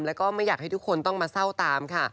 แล้วก็ไม่อยากให้ทุกคนต้องมาเศร้าตามค่ะ